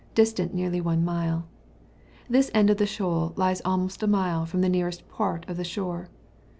distant nearly one nule : this end of the shoal lies almost a mile from the nearest part of the shore.